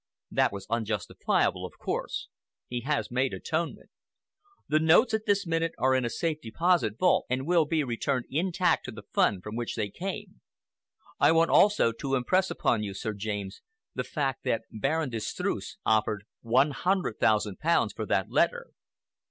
That was unjustifiable, of course. He has made atonement. The notes at this minute are in a safe deposit vault and will be returned intact to the fund from which they came. I want, also, to impress upon you, Sir James, the fact that Baron de Streuss offered one hundred thousand pounds for that letter."